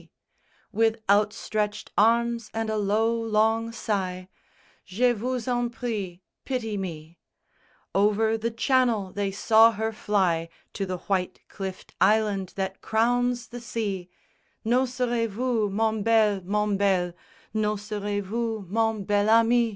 _ With outstretched arms and a low long sigh, Je vous en prie, pity me; Over the Channel they saw her fly To the white cliffed island that crowns the sea, _N'oserez vous, mon bel, mon bel, N'oserez vous, mon bel ami?